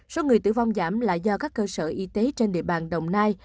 số người tử vong giảm là do các cơ sở y tế trên địa bàn đồng nai